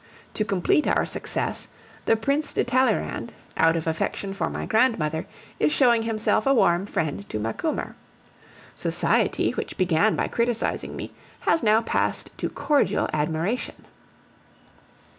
To complete our success, the Prince de Talleyrand, out of affection for my grandmother, is showing himself a warm friend to Macumer. Society, which began by criticising me, has now passed to cordial admiration.